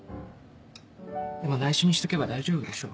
でも内緒にしとけば大丈夫でしょ。